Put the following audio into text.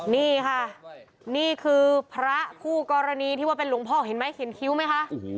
นี่ค่ะนี่คือพระคู่กรณีที่ว่าเป็นหลวงพ่อเห็นไหมเขียนคิ้วไหมคะ